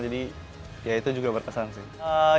jadi ya itu juga berkesan sih